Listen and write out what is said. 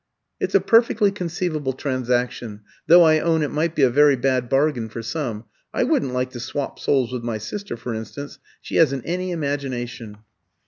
It's a perfectly conceivable transaction, though I own it might be a very bad bargain for some. I wouldn't like to swop souls with my sister, for instance she hasn't any imagination."